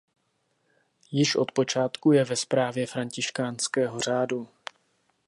Již od počátku je ve správě františkánského řádu.